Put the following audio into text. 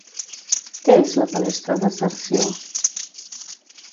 Què és la palestra de Cerció?